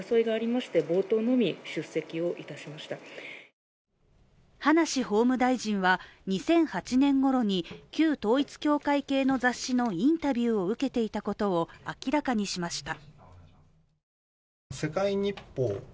環境省の山田副大臣も葉梨法務大臣は２００８年ごろに旧統一教会系の雑誌のインタビューを受けていたことを明らかにしました。